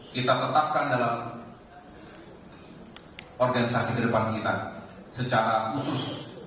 kita tetapkan dalam organisasi kedepan kita secara khusus